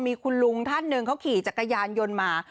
มีคุณลุงท่านหนึ่งเขาขี่จักรยานยนต์มา